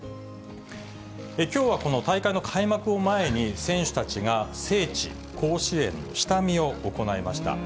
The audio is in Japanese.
きょうはこの大会の開幕を前に、選手たちが聖地、甲子園の下見を行いました。